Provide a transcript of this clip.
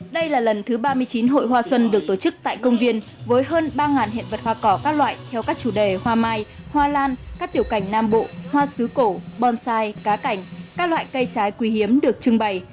đây là lần thứ ba mươi chín hội hoa xuân được tổ chức tại công viên với hơn ba hiện vật hoa cỏ các loại theo các chủ đề hoa mai hoa lan các tiểu cảnh nam bộ hoa sứ cổ bonsai cá cảnh các loại cây trái quý hiếm được trưng bày